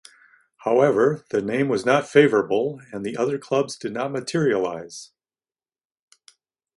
However, the name was not favorable and the other clubs did not materialize.